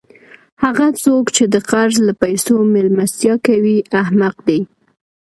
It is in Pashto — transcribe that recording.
هغه څوک، چي د قرض له پېسو میلمستیا کوي؛ احمق دئ!